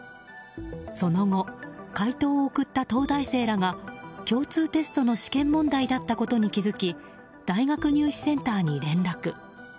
その後、解答を送った東大生らが共通テストの試験問題だったことに気づき大学入試センターに連絡。